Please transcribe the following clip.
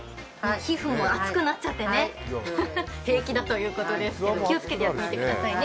皮膚も厚くなっちゃって平気だということですけど気をつけてやってくださいね。